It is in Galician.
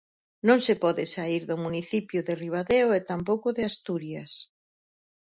Non se pode saír do municipio de Ribadeo e tampouco de Asturias.